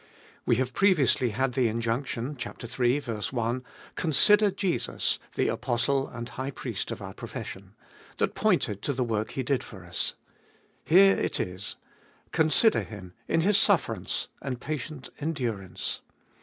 We have previously had the injunction (iii. i): Consider Jesus, the Apostle and High Priest of our profession— that pointed to the work He did for us. Here it is : Consider Him in His sufferance and patient endurance.